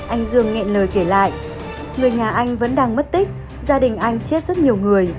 anh dương nghên lời kể lại người nhà anh vẫn đang mất tích gia đình anh chết rất nhiều người